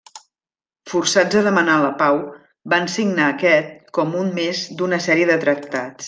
Forçats a demanar la pau, van signar aquest com un més d'una sèrie de tractats.